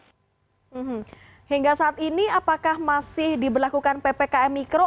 hmm hingga saat ini apakah masih diberlakukan ppkm mikro